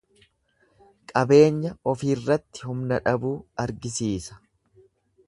Qabeenya ofiirratti humna dhabuu argisiisa.